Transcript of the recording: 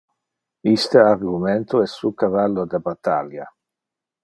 Iste argumento es su cavallo de battalia.